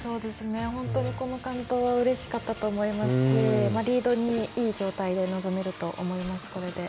本当に、この完登はうれしかったと思いますしリードにいい状態で臨めると思いますので。